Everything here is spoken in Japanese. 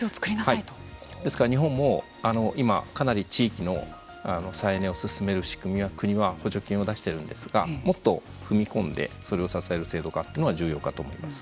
ですから日本も今かなり地域の再エネを進める仕組みは国は補助金を出してるんですがもっと踏み込んでそれを支える制度化っていうのが重要かと思います。